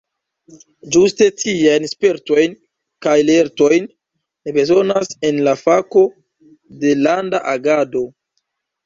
Ĝuste tiajn spertojn kaj lertojn ni bezonas en la fako de Landa Agado!